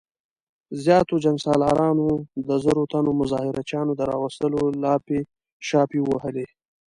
زياتو جنګ سالارانو د زرو تنو مظاهره چيانو د راوستلو لاپې شاپې ووهلې.